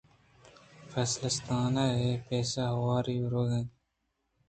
پیلپلستان ءُ کپیسے ہُوری ءَ رَوَگ ءَ اِتنت